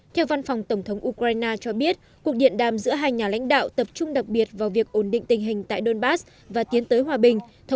theo văn phòng tổng thống ukraine cho biết cuộc điện đàm giữa hai nhà lãnh đạo tập trung đặc biệt vào việc ổn định tình hình tại donbass và tiến tới hòa bình